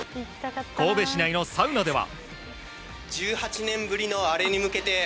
神戸市内のサウナでは。